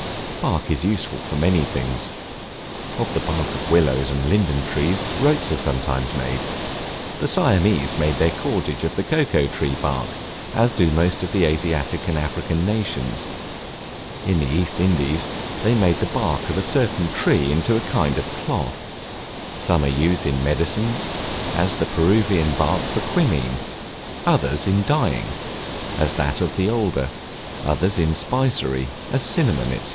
Bark is useful for many things: of the bark of willows and linden trees, ropes are sometimes made. The Siamese make their cordage of the cocoa tree bark, as do most of the Asiatic and African nations; in the East Indies, they make the bark of a certain tree into a kind of cloth; some are used in medicines, as the Peruvian bark for Quinine; others in dyeing, as that of the alder; others in spicery, as cinnamon, &c.